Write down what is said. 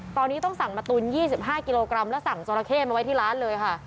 ตอนนี้ต้องสั่งมาตูน๒๕กิโลกรัมแล้วสั่งจอราเข้มาไว้ที่ร้านเลยค่ะ